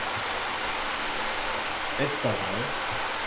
Est-ce pas vray ?